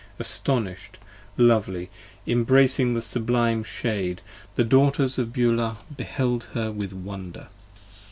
Astonish'd, lovely, embracing the sublime shade, the Daughters of Beulah 54 30 Beheld her with wonder!